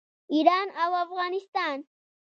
ایران او افغانستان.